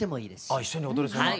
あっ一緒に踊れそうな。